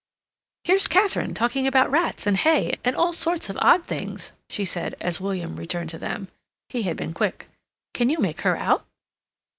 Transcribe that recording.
"Here's Katharine talking about rats, and hay, and all sorts of odd things," she said, as William returned to them. He had been quick. "Can you make her out?"